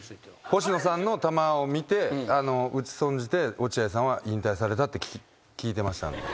星野さんの球を見て打ち損じて落合さんは引退されたって聞いてました。